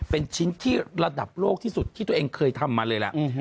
เป็นชิ้นที่ระดับโลกที่สุดที่ตัวเองเคยทำมาเลยล่ะ